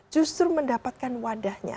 justru mendapatkan wadahnya